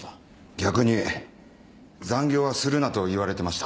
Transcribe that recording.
逆に残業はするなと言われてました。